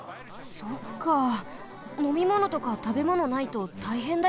そっかのみものとかたべものないとたいへんだよね。